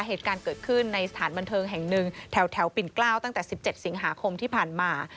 เหตุการณ์เกิดขึ้นในสถานบันเทิงแห่งหนึ่งแถวปิ่นเกล้าวตั้งแต่๑๗สิงหาคมที่ผ่านมา